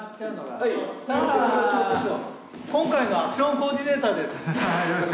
今回のアクションコーディネーターです。